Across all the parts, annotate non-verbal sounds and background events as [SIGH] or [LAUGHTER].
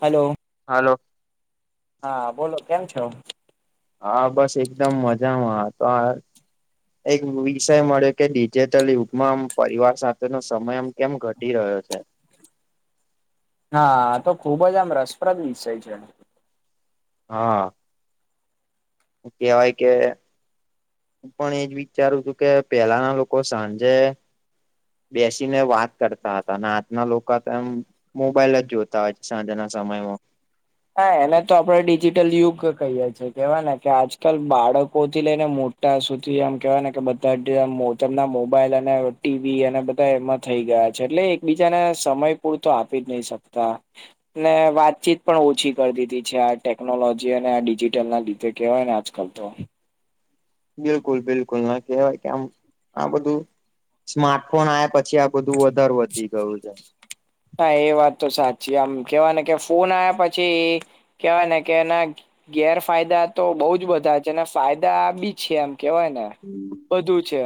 Hello. Hello. હા બોલો કેમ છો? હા બસ એકદમ મજામાં તો આ એક વિષય મળ્યો કે ડિજિટલ યુગમાં આમ પરિવાર સાથેનો સમય આમ કેમ ઘટી રહ્યો છે. હા આ તો ખુબ જ આમ રસપ્રદ વિષય છે. હા. કેવાય કે હું પણ એજ વિચારું છું કે પેલાના લોકો સાંજે બેસીને વાત કરતા હતા અન આજના લોકા તો એમ મોબાઈલ જ જોતા હોય સાંજના સમયમાં. હા એને તો આપણે ડિજિટલ યુગ કહીએ છીએ કેવાય ને કે આજકાલ બાળકો થી લઈને મોટ ટા સુધી આમ કેવાય ને કે બધા ટેઆ મોટરના મોબાઈલ અને ટીવી અને બધા એમાં થઈ ગયા છે, એટલે એકબીજાને સમય પૂરતો આપી જ નહી શકતા ને વાતચીત પણ ઓછી કર દીધી છે, આ ટેકનોલોજી અને આ ડિજીટલ ના લીધે કેહેવાય ને આજકાલ તો. બિલકુલ બિલકુલ ના કેવાય કે આમ આ બધું સ્માર્ટફોન આયા પછી આપ બધું વધાર વધી ગયું છે. હા એ વાત તો સાચી આમ કેવા ને કે ફોન આવ્યા પછી કેવાય ને કે એના ગેરફાયદા તો બઉ જ બધા છે અને ફાયદા બી છે એમ કેવાય ને. હમ. બધું છે.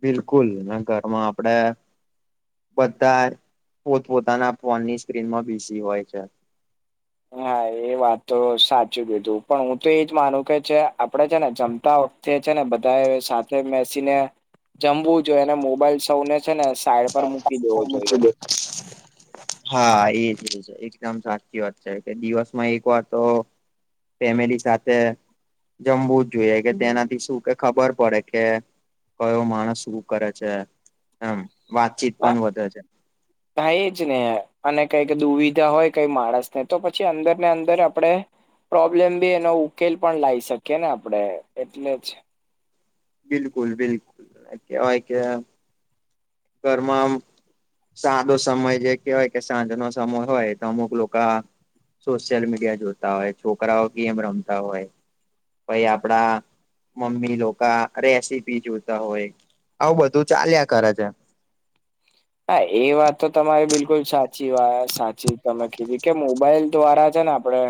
બિલકુલ નહી ન ઘરમાં આપડે બધ્ધા પોતપોતાના ફોનની સ્ક્રીનમાં બીઝી હોય છે. હા એ વાત તો સાચું કીધું પણ હું તો એજ માનું કે છે આપડે છે ને જમતા હો તે છે ને બધાયે સાથે બેસીને જમવું જોઈએ એને મોબાઈલ સૌને છે ને સાઈડ પર મૂકી સાવધાની દેવો પર જોઈએ મૂકી દેવો હા એજ છે એકદમ સાચી વાત છે કે દિવસમાં એક વાર તો ફેમિલી સાથે જમવું જ જોઈએ કે તેનાથી શું કે ખબર પડે કે કયો માણસ શું કરે છે એમ વાતચીત પણ વધે છે. થાય એ જ ને અને કઈક દુવિધા હોય કઈ માણસ ને તો પછી અંદર ને અંદર આપડે પ્રોબ્લેમ બી એનો ઉકેલ પણ લાઈ શકીએ ને આપડે એટલે જ બિલકુલ બિલકુલ કેવાય કે ઘર મા આમ સાદો સમય જે કહેવાય કે સાંજ નો સમય હોય તો અમુક લોકા આ સોશિયલ મીડિયા જોતા હોય છોકરાઓ ગેમ રમતા હોય પઈ આપડા મમ્મી લોકા રેસીપી જોતા હોય આવું બધું ચાલ્યા કરે છે. હા એ વાત તો તમારી બિલકુલ સાચી વાત સાચી તમે કીધી કે મોબાઈલ દ્વારા છે ને આ પડે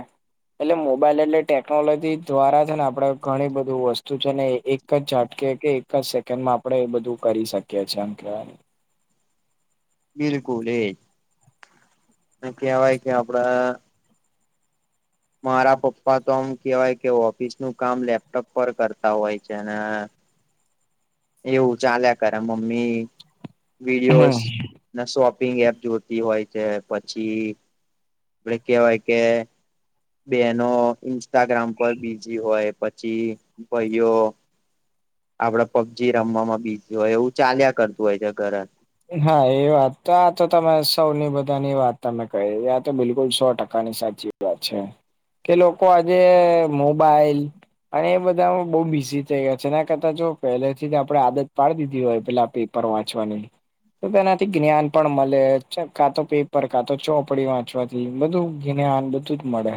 એટલે મોબાઈલ એટલે ટેકનોલોજી દ્વારા છે ને આપણડે ઘણી બધું વસ્તુ છે ને એક એક જ ઝાટકે કે, એક જ સેકન્ડમાં આપડે, એ બધું કરી શકીએ, એ એમ કેવા બિલકુલ એ જ, અને કેવાય કે આપડા. મારા પપ્પા તો આમ કેવાય કે, ઓફિસ નું કામ લેપટોપ પર કરતા હોય છે ને. એવું ચાલ્યા કરે, મમ્મી હમ વિડીયોસ. ના શોપિંગ એપ જોતી હોય છે, પછી પર કહેવાય કે બનો, ઇન્સ્ટાગ્રામ પર બીજી હોય, પછી ભાઈઓ આપડે પબજી રમવામાં બીસી હોય, એવું ચાલ્યા કરતું હોય છે, ઘર. હા, એ વાત તો આ તો તમે સૌની બધાની વાત તમે કહી, આ તો બિલકુલ સો ટકાની સાચી. વાત છે કે, લોકો આજે મોબાઈલ. અને એ બધામાં બહુ બિઝી થઈ ગયા છે, એના કરતા જો પહેલેથી આપણે આદત પાડી દીધી હોય, પેલા આપ પર વાંચવાની. તો તેનાથી જ્ઞાન પણ મળે, કાતો પેપર કા તો ચોપડી વાંચવાથી બધું જ્ઞાન બ જ મળે.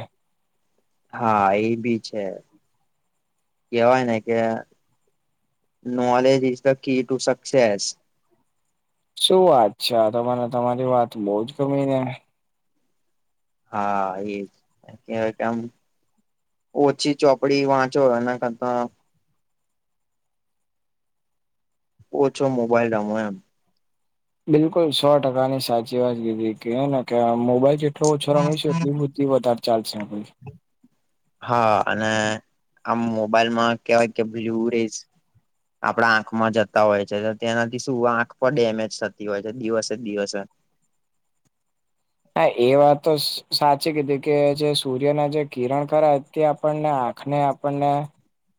હા, એ ભી છે. કેવાય ને, કે knowledge is the key to success. શું વાત છે, મને તમારી વાત બઉુ જ ગમી ને. હા, એજ કેમ? ઓછી ચોપડી વાંચો કરતા. ઓછો મોબાઈલ રમો એમ. બિલકુલ, સો ટકાની સાચી વાત કીધી. કેને કે મોબાઈલ તો ઓછો રમીશું, એટલી બુદ્ધ વધારે ચાલશે. હા, અને આમ મોબાઈલમાં કેવાય કે, બ્લુ રસ. આપણા આંખમાં જતા હોય છે, તેનાથી શું આંખ પણ ડેમેજ થતી હોય છે, દિવસે દિવસે. હા, એ વાત તો સાચી કીધી કે જે સૂર્યના જે કિરણ, તે આપણને આંખને આપણને.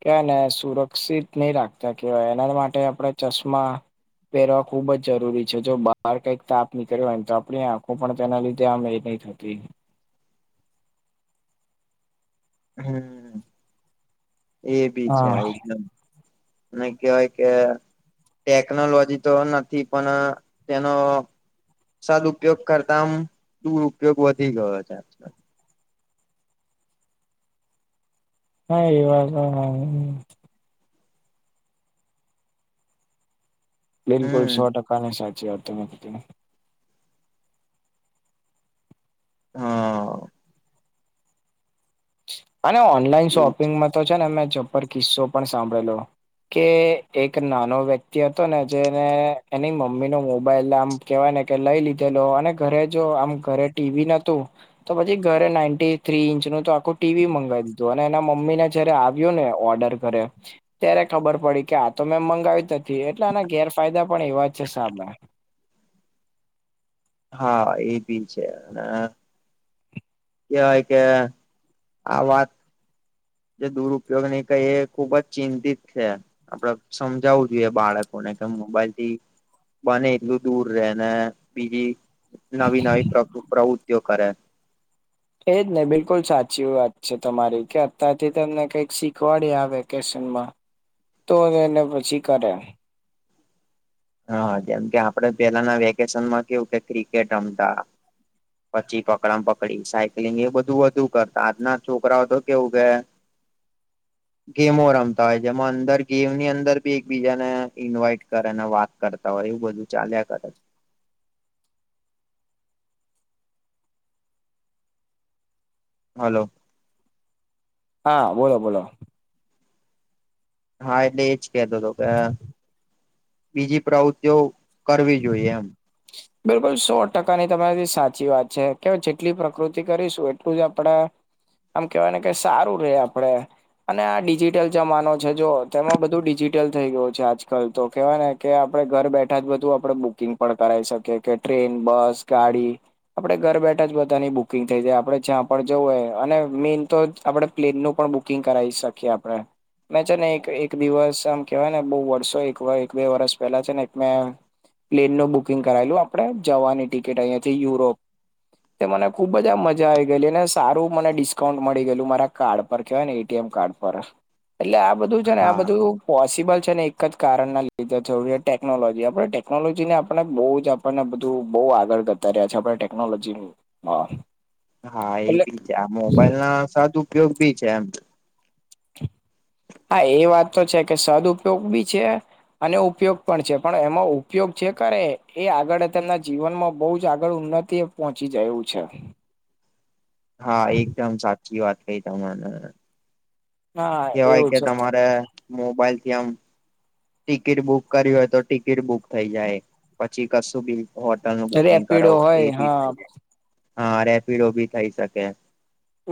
કેવાય ને, સુરક્ષિત નહી રાખતા, કેવાય એના માટે આપણે ચશ્મા. પહેરવા ખુબ જ જરૂરી છે, જો બહાર કંઈક તાપ નીકળે હોયને, તો આપણી આંખો પણ તેના લીધે હામ નહીં થતી. હમ, એ બી છે, હા એકદમ. અને કેવાય કે. ટેકનોલોજી તો નથી, પણ તેનો. સદઉપયોગ કરતા, આમ દુર ઉપયોગ વધી ગયો છે. હા, એવા પ્લેન કોડ, હમ સો ટકા ની સાચી વાત તમે કીધી. હા. અને ઓનલાઈન એજ શોપિંગમાં તો છે ને, મે ચપ્પર કિસ્સો પણ સાંભળેલો. કે એક નાનો વ્યક્તિ હતો ને, જેને એની મમ્મી નો મોબાઈલ આમ. કેવાય ને કે, લઈ લીધેલો, અને ઘરે જો આમ ઘરે ટીવી નતું. તો પછી ઘરે નાઈન્ટી થ્રી ઇંચ નું તો આખું. ટીવી મગાવી દીધું, અને એના મમ્મી ને જયારે આવ્યો ને, ઓર્ડર કરે. ત્યારે ખબર પડી કે, આ તો મેં મંગાવી હતી, એટલે આના ગેરફાયદા પણ એવા છે, સાબા હા, એ બી છે. અને કેવાય કે, આ વાત જે દુરપયોગ નહી કે, એ ખુબ જ ચિંતિત છે. આપડે સમજાવવું જોઈએ બાળકોને, કે મોબાઈલ થી. બને એટલું દૂર રે ને, બીજી નવી-નવી પ્રવૃતિઓ કરે. એ જ નહીં, બિલકુલ સાચી વાત છે તમારી કે અતારથી તમને કઈક શીખવાડે આ વેકેશનમાં. તો એને પછી કરે. હા, જેમ કે, આપડે પેલાના વેકેશનમાં કેવું કે ક્રિકેટ રમતા. પછી પકડા પકડી સાયકલિંગ એ બધું વધું કરતા આજના છોકરાઓ તો કેવું ગ [INAUDIBLE] ગેમો રમતા હોય જેમાં અંદર ગેમની અંદર બી એકબીજા ને ઇન્વાઈટ કરે ને વાત કરતા હોય એવું બધું ચાલ્યા કર હલો હા બોલો બોલો હા એટલે એજ કેતો હતો કે બીજી પ્રવૃત્તિઓ કરવી જોઈએ એમ બિલકુલ સો ટકાની તમારીથી સાચી વાત છે કેય જેટલી પ્રકૃતિ કરીશું એટલું જ આપણે આમ કેવાય ને કે સારું રે આપડે અને આ ડિજિટલ જમાનો છે જો તેમાં બધું ડિજિટલ થઈ ગયું છે આજકાલ તો કેવાય ને કે આપડે ઘર બેઠા જ બધું આપણે બુકિંગ પણ કરાઈ શકીએ કે ટ્રેન બસ ગાડી આપડે ઘર બેઠા જ બધાની બુકિંગ થઈ જાય આપડે જ્યાં પણ જવું હોય અને મેન તો આપડે પ્લેનનુંું પણ બુકિંગ કરાવી શકીએ આપડણે મેં છે ને એક એક દિવસ આમ કેવાય ને બહુ વર્ષો બે વરસ પહેલા છે ને એક મે પ્લેનનુંું બુકિંગ કરાયેલું આપણે જવાની ટિકિટ અહીંયા થી યુરોપ તે મને ખુબ જ આ મજા આવી ગયલી અનેને સારું મને ડિસ્કાઉન્ટ મળી ગયેલું મારા કાર્ડ એમ કારડ એ બધું છે ને આ હા બધું પોસિબલ છે ને એક જ કારણના લીધે થ ટેકનોલોજી આપડે ટેકનોલોજી ને આપણે બહુ જ આપણને બધું બહુ આગળ કરતા રહ્યા છે આપણે ટેકનોલોજી હા હા એ એટલે બી છે આ મોબાઈલ ના સદ ઉપયોગ ભી છે એમ હા એ વાત તો છે કે સદઉપયોગ બી છે અને ઉપયોગ પણ છે પણ એમાં ઉપયોગ જે કરે એ આગળ તેમના જીવનમાં બહુ જ આગળ ઉન્ન તે પહોંચી જાયવું છે હા એકદમ સાચી વાત કઈ તમાને હા કેવાય એવું કે છે તમારે મોબાઈલથી આમ ટિકિટ બુક કરી હોય તો ટિકિટ બુક થઈ જાય પછી કશું બિલ હોટલ નું બુકિંગ રેપિડો કરાવો એ હોય બી હા થઈ જ હા રેપિડો બી થઇ શકે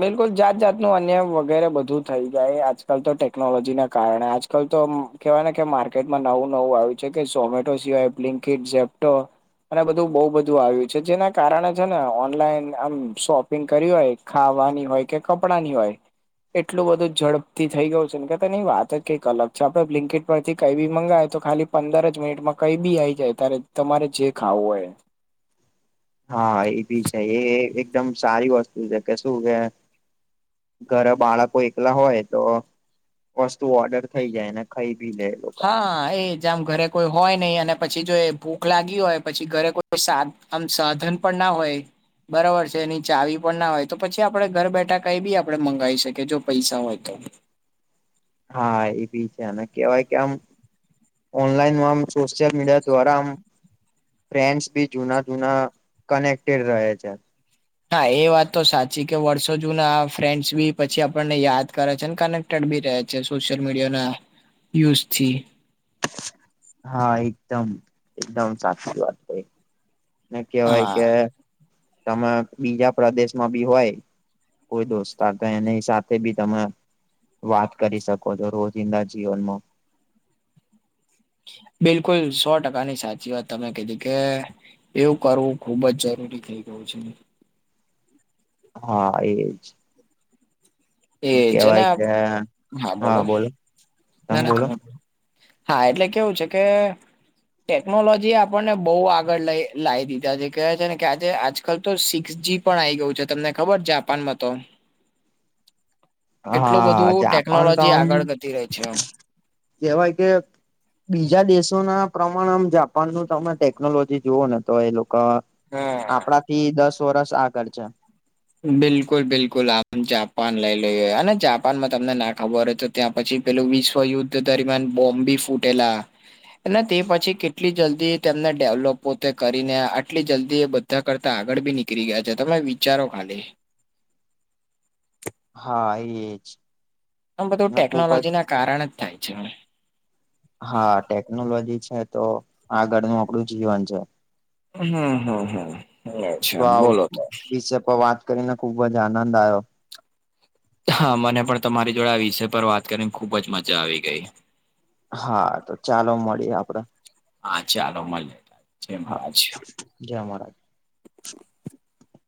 બિલકુલ જાત જાતનું અન્યાય વગેરે બધું થઈ જાય આજકાલ તો ટેકનોલોજીના કારણે આ કઈ તો કેવાય ને કે માર્કેટમાં નવું નવું આવ્યું છે કે ઝમેટો સિવાય બ્લિન્કિટ ઝેપ્ટો અને બધું બહુ બધું આવ્યું છે જેના કારણે છે ને ઓનલાઈન આમ શોપિંગ કર્યું હોય ખાવાની હોય કે કપડાં ની હોય એટલું બધું ઝડપથી થઈ ગયું છે ને કેતા ની વાત જ કંઈક અલગ છે આપણે બ્લિંકેટ પરથી કઈ બી મંગાવાય તો ખાલી પંદર જ મિનિટમાં કઈ બી આઈ જાય ત્યારે તમારે જે ખાવું હોય હા એ ભી છે એ એકદમ સારી વસ્તુ છે કે શું કે ઘરે બાળકો એકલા હોય તો વસ્તુ ઓર્ડર થઈ જાય ને ખાઈ ભી લે એ લોકો હા એ જેમ ઘરે કોઈ હોય નહી અને પછી જો એ ભૂખ લાગી હોય પછી ઘરે કોઈ સાદ આમ સાધન પણ ના હોય બરાબર છે એની ચાવી પણ ના હોય તો પછી આપણેે ઘર બેઠા કઈ બી આપણે મંગાવી શકીએ જો પૈસા હોય તો હા એ બી છે અને કહેવાય કે આમ ઓનલાઈનમાં આમ સોશિયલ મીડિયા દ્વારા આમ ફ્રેન્ડસ બી જુના જુના કનેક્ટેડ રહે છે હા એ વાત તો સાચી કે વર્ષો જૂના આ ફ્રેન્ડસ બી પછી આપણને યાદ કરે છે ને કારણ [UNINTELLIGIBLE] છે સોશિયલ મીડિયા ના યુઝથી હા એકદમ એકદમ સાચી વાત છે ને કહેવાય હા કે તમે બીજા પ્રદેશ માં બી હોય કોઈ દોસ્ત કે એની સાથે બી તમે વાત કરી શકો છો રોજિંદા જીવનમાં. બિલકુલ સો ટકા ની સાચી વાત તમે કીધી કે. એવું કરવું ખુબ જ જરૂરી થઇ ગયું છે. હા એજ એજ ને કહેવાય કે હા બોલો. ના તમે ના બોલો ના હા એટલે કેવું છે કે? ટેકનોલોજી આપણને બહુ આગળ લઈ લાવી દીધા જે કહેવાય છે ને કે આજે આજકાલ તો સિક્સ જી પણ આ આવી ગયું છે તમને ખબર જાપાનમાં તો. એટલું હા જ બધું પણ તો ટેકનોલોજી આમ આગળ ગતી રહી છે. કહેવાય કે, બીજા દેશો ના પ્રમાણ આમ જાપાન નો તમે ટેકનોલોજી જોવો ને તો એ લોકો હા. આપણા થી દસ વર્ષ આગળ છે. બિલકુલ બિલકુલ આમ જાપાન લઈ લઈએ અને જાપાનમાં તમને ના ખબર હોય તો ત્યાં પછી પેલું વિશ્વયુદ્ધ દરમિયાન બોમ્બી ફૂટેલા. તે પછી કેટલી જલ્દી તેમને ડેવલોપ પોતે કરીને આટલી જલ્દી એ બધા કરતા આગળ બી નીકળી ગયા છે તમે વિચારો ખાલી. હા એજ. આમ બધું ને ખુબ જ ટેકનોલોજી ના કારણે જ થાય છે ને. હા ટેકનોલોજી છે તો આગળનું આપણું જીવન છે. હમ હમ હમ એવું છે તો આ બોલો તો. [INAUDIBLE] કરીને ખુબ જ આનંદ આવ્યો. હા મને પણ તમારી જોડે આ વિષય પર વાત કરીને ખુબ જ મજા આવી ગઈ. હા તો ચાલો મળીએ આપણે. હા ચાલો મળીએ. જય હા મહારાજ જય મહારાજ.